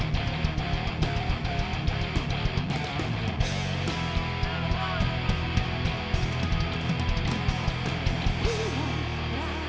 bisa menjadi stadion terbaik di dunia